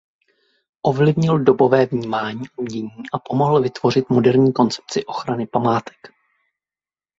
Ovlivnil dobové vnímání umění a pomohl vytvořit moderní koncepci ochrany památek.